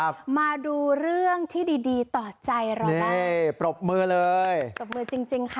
ครับมาดูเรื่องที่ดีต่อใจร้อนล่ะนี่ปรบมือเลยปรบมือจริงจริงค่ะ